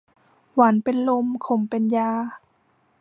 หวานเป็นลม ขมเป็นยา